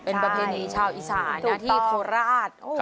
เป็นประเพณีชาวอีสานนะที่โคราช